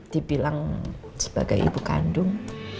dibilang sebagai ibu kandung